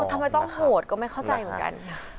ทำไมต้องโหดก็ไม่เข้าใจเหมือนกัน